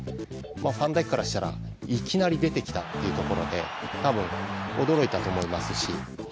ファンダイクからしたらいきなり出てきたということで多分、驚いたと思いますし。